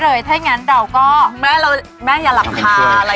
ได้เลยถ้าอย่างนั้นเราก็แม่แม่อย่าหลับค่าอะไรค่ะ